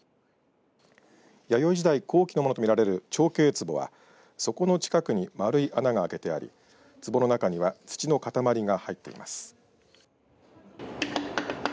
弥生時代後期のものと見られる長頸壺は底の近くに丸い穴が開けてありつぼの中には土の塊が入っています。